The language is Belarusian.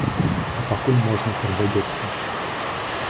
А пакуль можна прыглядзецца.